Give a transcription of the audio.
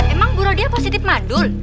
emang bu rodiah positif mandul